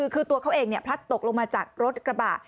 คือตัวเขาเองพลัดตกลงมาจากรถกระบะ